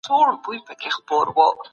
تاسي باید همېشه مثبته هیله ولرئ.